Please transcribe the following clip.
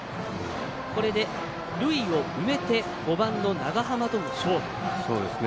これで塁を埋めて５番の長濱との勝負。